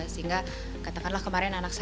sehingga katakanlah kemarin anak saya